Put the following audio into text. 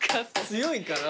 強いかな？